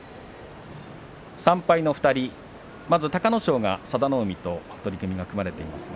３敗の２人、まず隆の勝が佐田の海と取組が組まれています。